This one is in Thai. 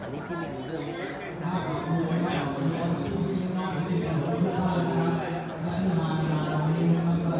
อันนี้พี่มีเรื่องเล่า